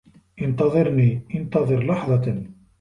إنتظرني، إنتظر لحظة!